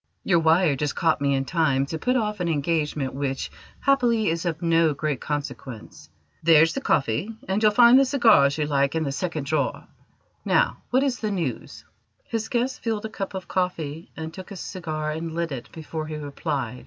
Your wire just caught me in time to put off an engagement which, happily, is of no great consequence. There's the coffee, and you'll find the cigars you like in the second drawer. Now, what is the news?" His guest filled a cup of coffee and took a cigar and lit it before he replied.